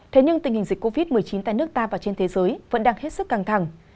thế nhưng tình hình dịch covid một mươi chín tại nước ta và trên thế giới vẫn đang hết sức căng thẳng